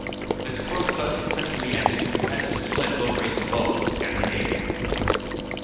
This cross first successfully entered the competitive sled dog racing world in Scandinavia.